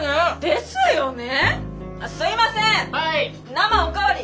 生おかわり！